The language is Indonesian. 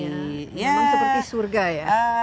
memang seperti surga ya